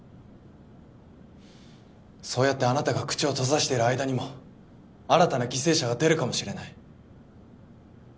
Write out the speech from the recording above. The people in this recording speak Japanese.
そうやってあなたが口を閉ざしている間にも新たな犠牲者が出るかもしれない。